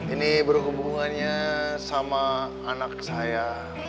ini berhubungannya sama anak saya